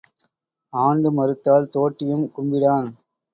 ஆண்டு மறுத்தால் தோட்டியும் கும்பிடான்.